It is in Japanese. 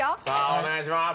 お願いします。